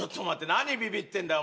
何ビビってんだよ？